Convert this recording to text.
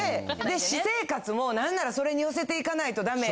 で私生活もなんならそれに寄せていかないとダメ。